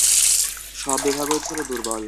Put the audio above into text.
সব বিভাগই ছিল দুর্বল।